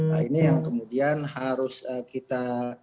nah ini yang kemudian harus kita